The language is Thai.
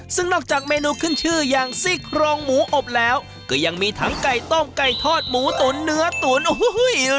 ซึ่งนอกจากเมนูขึ้นชื่ออย่างซี่โครงหมูอบแล้วก็ยังมีทั้งไก่ต้มไก่ทอดหมูตุ๋นเนื้อตุ๋นโอ้โห